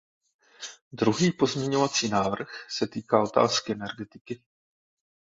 Druhý pozměňovací návrh se týká otázky energetiky.